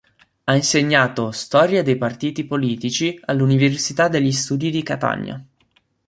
Ha insegnato "Storia dei partiti politici" all'Università degli studi di Catania.